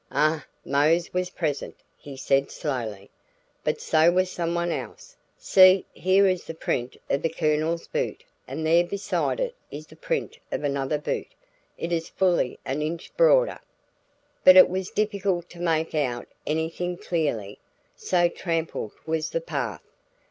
"Ah Mose was present," he said slowly, "but so was someone else. See, here is the print of the Colonel's boot and there beside it is the print of another boot; it is fully an inch broader." But it was difficult to make out anything clearly, so trampled was the path.